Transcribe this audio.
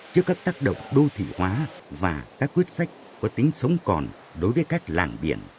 trước các tác động đô thị hóa và các quyết sách có tính sống còn đối với các làng biển